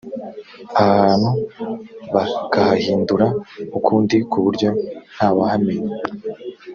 aha hantu bakahahindura ukundi ku buryo nta wahamenya